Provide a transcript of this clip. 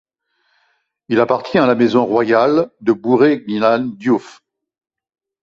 Il appartient à la maison royale de Bouré Gnilane Diouf.